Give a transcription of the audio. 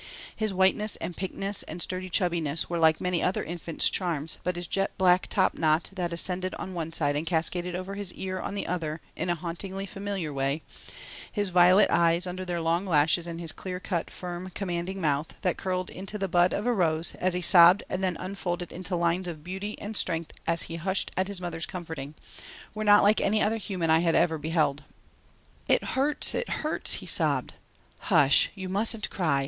His whiteness and pinkness and sturdy chubbiness were like many another infant's charms but his jet black top knot that ascended on one side and cascaded over his ear on the other in a hauntingly familiar way, his violet eyes under their long lashes and his clear cut, firm, commanding mouth, that curled into the bud of a rose as he sobbed and then unfolded into lines of beauty and strength as he hushed at his mother's comforting, were not like any other young human that I had ever beheld. "It hurts. It hurts!" he sobbed. "Hush, you mustn't cry!"